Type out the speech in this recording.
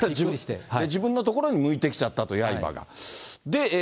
自分のところに向いてきちゃったと、刃が。